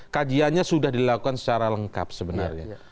kajiannya sudah dilakukan secara lengkap sebenarnya